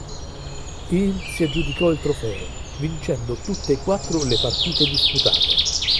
Il si aggiudicò il trofeo, vincendo tutte e quattro le partite disputate.